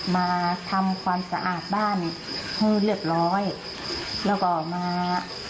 มาทำความสะอาดบ้านให้เรียบร้อยแล้วก็มา